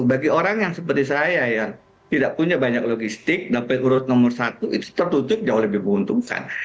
bagi orang yang seperti saya yang tidak punya banyak logistik dapat urut nomor satu itu tertutup jauh lebih menguntungkan